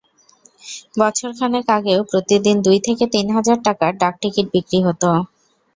বছরখানেক আগেও প্রতিদিন দুই থেকে তিন হাজার টাকার ডাকটিকিট বিক্রি হতো।